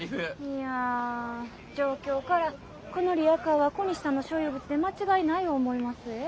いやぁ状況からこのリアカーは小西さんの所有物で間違いない思いますえ。